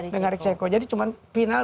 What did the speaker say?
dari ceko jadi cuma final